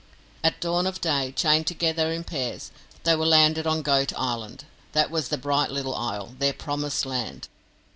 At dawn of day, chained together in pairs, they were landed on Goat Island; that was the bright little isle their promised land.